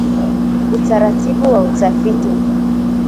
Utaratibu wa utafiti